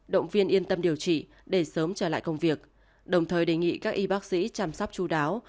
động viên yên tâm điều trị để sớm trở lại công việc đồng thời đề nghị các y bác sĩ chăm sóc chú đáo